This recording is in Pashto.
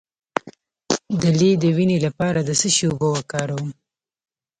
د لۍ د وینې لپاره د څه شي اوبه وکاروم؟